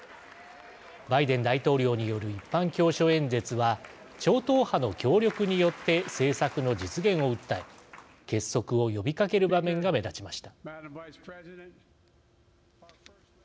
バイデン大統領による一般教書演説は超党派の協力によって政策の実現を訴え結束を呼びかける場面が目立ちました。